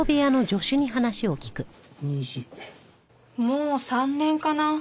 もう３年かな？